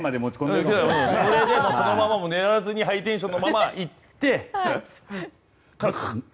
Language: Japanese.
それでそのまま寝ずにハイテンションのままいってグーって。